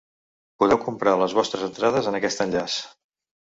Podeu comprar les vostres entrades en aquest enllaç.